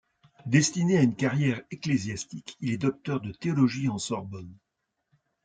Destiné à une carrière ecclésiastique, il est docteur de théologie en Sorbonne.